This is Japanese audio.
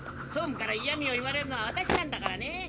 総務からいやみを言われるのは私なんだからね。